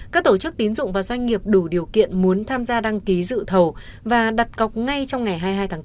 các tổ chức tín dụng và doanh nghiệp đủ điều kiện muốn tham gia đăng ký dự thầu và đặt cọc ngay trong ngày hai mươi hai tháng bốn